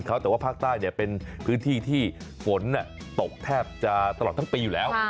แต่ว่าภาคใต้เป็นพื้นที่ที่ฝนตกแทบจะตลอดทั้งปีอยู่แล้ว